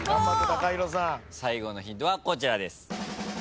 最後のヒントはこちらです。